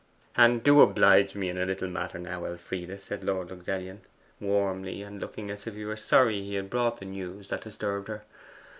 'And do oblige me in a little matter now, Elfride,' said Lord Luxellian warmly, and looking as if he were sorry he had brought news that disturbed her.